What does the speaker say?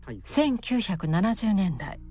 １９７０年代